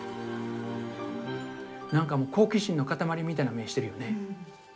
何かもう好奇心の塊みたいな目してるよね。